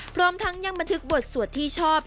พร้อมทั้งยังบันทึกบทสวดที่ชอบ